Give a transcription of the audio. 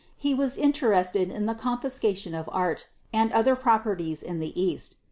He was interested in the confiscation of art and other properties in the East.